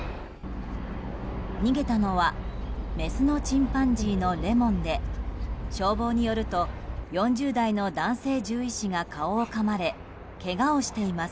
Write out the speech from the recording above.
逃げたのはメスのチンパンジーのレモンで消防によると４０代の男性獣医師が顔をかまれ、けがをしています。